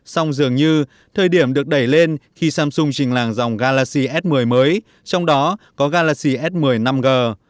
song dường như thời điểm được đẩy lên khi samsung trình làng dòng galaxy s một mươi mới trong đó có galaxy s một mươi năm g